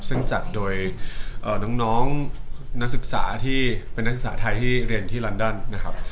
ซึ่งจัดโดยน้องนักศึกษาที่เป็นนักศึกษาไทยที่เรียนที่ลอนดอนนะครับ